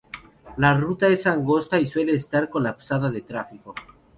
La ruta es angosta y suele estar colapsada de tráfico.